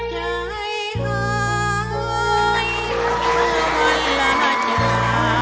ใจเฮ้ยอายุมันละหันกล้า